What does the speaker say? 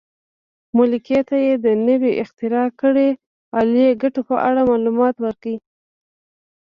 ملکې ته یې د نوې اختراع کړې الې ګټو په اړه معلومات ورکړل.